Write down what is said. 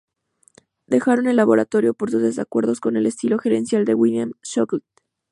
Dejaron el laboratorio por sus desacuerdos con el estilo gerencial de William Shockley.